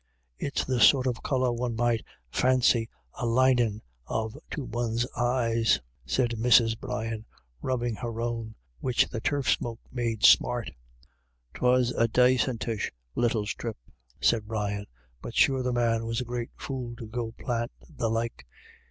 "It's the sort of colour one might fancy a linin' of to ,one's eyes," said Mrs. Brian, rubbing her own, which the turf smoke made smart. " Twas a dacintish little strip," Brian said, " but sure the man was a great fool to go plant the like.